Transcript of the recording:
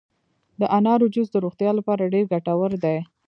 د انارو جوس د روغتیا لپاره ډیر ګټور دي.